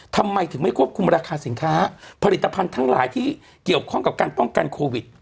ทำไมถึงไม่ควบคุมราคาสินค้าผลิตภัณฑ์ทั้งหลายที่เกี่ยวข้องกับการป้องกันโควิด